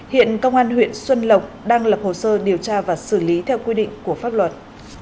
hiện công an huyện xuân lộc đang lập hồ sơ điều tra và xử lý theo quy định của pháp luật